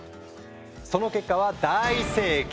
その結果は大盛況！